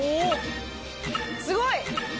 すごい！